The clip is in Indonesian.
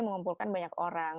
mengumpulkan banyak orang